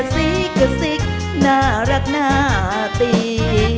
สิกสิกน่ารักน่าตี